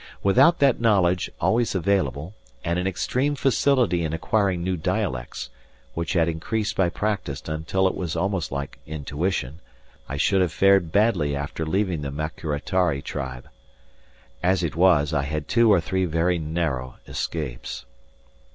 Without that knowledge, always available, and an extreme facility in acquiring new dialects, which had increased by practice until it was almost like intuition, I should have fared badly after leaving the Maquiritari tribe. As it was, I had two or three very narrow escapes.